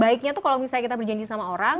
baiknya tuh kalau misalnya kita berjanji sama orang